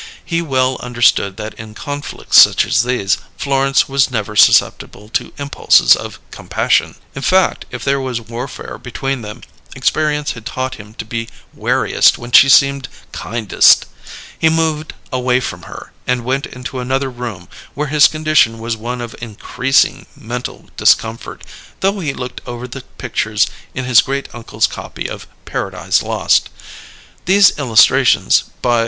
He well understood that in conflicts such as these Florence was never susceptible to impulses of compassion; in fact, if there was warfare between them, experience had taught him to be wariest when she seemed kindest. He moved away from her, and went into another room where his condition was one of increasing mental discomfort, though he looked over the pictures in his great uncle's copy of "Paradise Lost." These illustrations, by M.